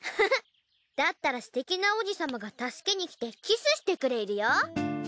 だったらすてきな王子様が助けに来てキスしてくれるよ。